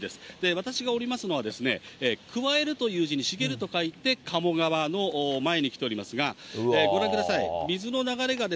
私がおりますのは、加えるという字に茂と書いて加茂川の前に来ておりますが、ご覧ください。